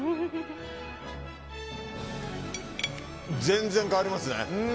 全然変わりますね。